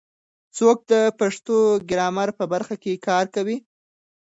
څوک د پښتو ګرامر په برخه کې کار کوي؟